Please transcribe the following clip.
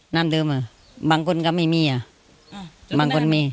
เดิมอ่ะบางคนก็ไม่มีอ่ะบางคนมี